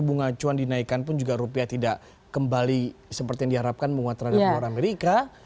bunga cuan dinaikkan pun juga rupiah tidak kembali seperti yang diharapkan menguat terhadap dolar amerika